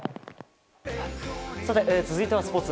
さて続いてはスポーツ。